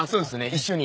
一緒に。